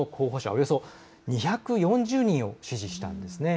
およそ２４０人を支持したんです。